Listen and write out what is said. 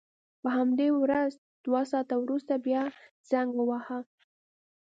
په همدې ورځ دوه ساعته وروسته بیا زنګ وواهه.